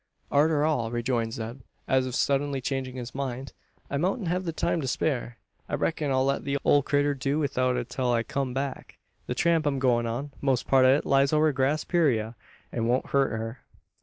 "Arter all," rejoined Zeb, as if suddenly changing his mind, "I moutn't hev the time to spare. I reck'n I'll let the ole critter do 'ithout till I kum back. The tramp I'm goin' on most part o' it lies over grass purayra; an won't hurt her."